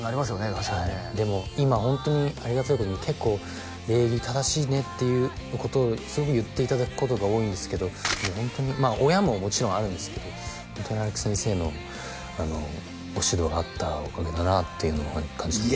確かにねはいでも今ホントにありがたいことに結構礼儀正しいねっていうことをすごく言っていただくことが多いんですけどホントに親ももちろんあるんですけどホントに荒木先生のご指導があったおかげだなっていうのを感じてますね